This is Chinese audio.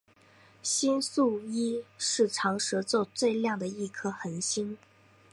星宿一是长蛇座最亮的一颗恒星。